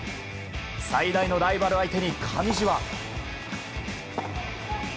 最大のライバル相手に上地は。